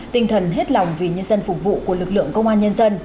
tinh thần hết lòng vì nhân dân phục vụ của lực lượng công an nhân dân